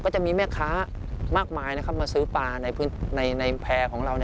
จะมีแม่ค้ามากมายมาซื้อปลาในแพร่ของเรา